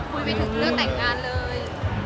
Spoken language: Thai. คุยไปถึงเรื่องแต่งงานเลย